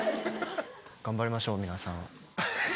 頑張りましょう皆さん。